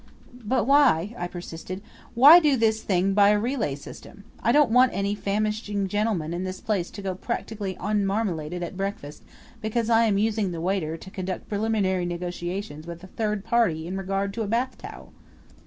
"But why," I persisted, "why do this thing by a relay system? I don't want any famishing gentleman in this place to go practically unmarmaladed at breakfast because I am using the waiter to conduct preliminary negotiations with a third party in regard to a bathtowel."